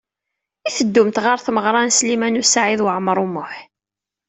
I teddumt ɣer tmeɣra n Sliman U Saɛid Waɛmaṛ U Muḥ?